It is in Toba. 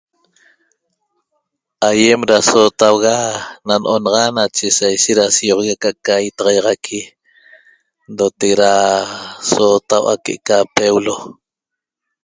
Aýem da sootauga na no'onaxa nache sa ishet da seioxogui aca'aca itaxaýaxaqui ndotec da sootau'a que'eca peulo